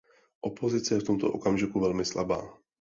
Opozice je v tomto okamžiku velmi slabá.